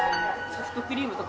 ソフトクリームや